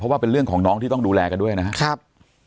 ว่าเป็นเรื่องของน้องที่ต้องดูแลกันด้วยนะครับ